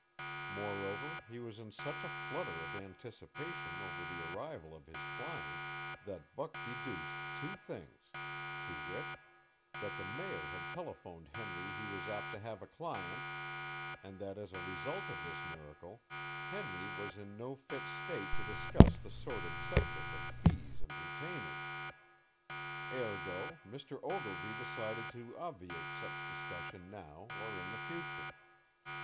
Moreover, he was in such a flutter of anticipation over the arrival of his client that Buck deduced two things to wit, that the Mayor had telephoned Henry he was apt to have a client, and that as a result of this miracle, Henry was in no fit state to discuss the sordid subject of fees and retainers. Ergo, Mr. Ogilvy decided to obviate such discussion now or in the future.